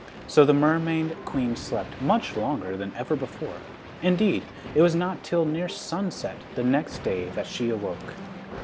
So the Mermaid Queen slept much longer than ever before. Indeed, it was not till near sunset the next day that she awoke.